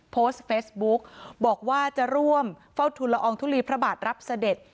โพสต์เฟซบุ๊กบอกว่าจะร่วมเฝ้าทุนละอองทุลีพระบาทรับเสด็จ